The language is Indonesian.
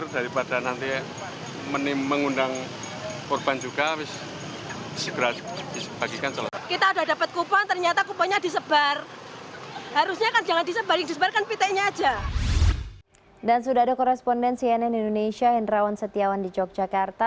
dan sudah ada korespondensi ann indonesia hendrawan setiawan di yogyakarta